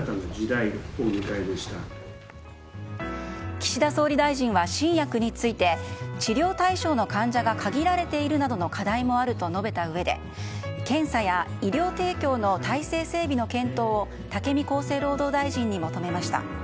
岸田総理大臣は新薬について治療対象の患者が限られているなどの課題もあると述べたうえで検査や医療提供の体制整備の検討を武見厚生労働大臣に求めました。